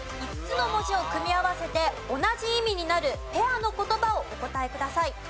５つの文字を組み合わせて同じ意味になるペアの言葉をお答えください。